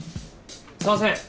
すんません。